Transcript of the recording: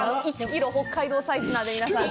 １キロ北海道サイズなので皆さん。